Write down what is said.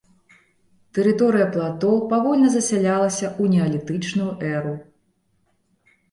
Тэрыторыя плато павольна засялялася ў неалітычную эру.